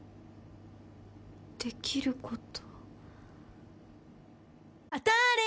できること。